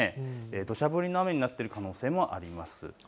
どしゃ降りの雨になっている可能性もあります。